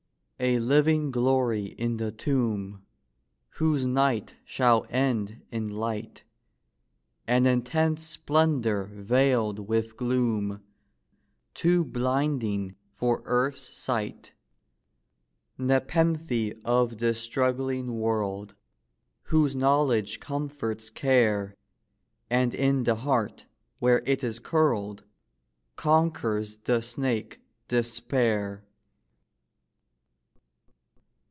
A living glory in the tomb, Whose night shall end in light; An intense splendor veiled with gloom, Too blinding for earth's sight. Nepenthe of this struggling world, Whose knowledge comforts care, And in the heart, where it is curled, Conquers the snake, despair.